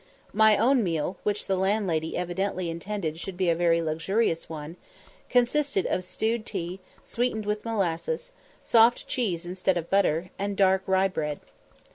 My own meal, which the landlady evidently intended should be a very luxurious one, consisted of stewed tea, sweetened with molasses, soft cheese instead of butter, and dark rye bread.